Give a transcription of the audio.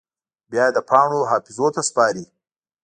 بیا یې د پاڼو حافظو ته سپاري